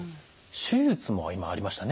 手術も今ありましたね。